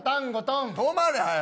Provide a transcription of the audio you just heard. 止まれ、早よ。